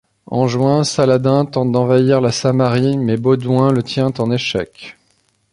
En juin, Saladin tente d’envahir la Samarie, mais Baudouin le tient en échec.